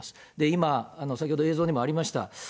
今、先ほど映像にもありました。